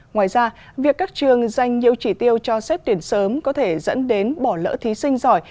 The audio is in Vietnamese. ngoài ra việc các trường dành nhiều chỉ tiêu cho xét tuyển sớm có thể dẫn đến bỏ lỡ thí sinh giỏi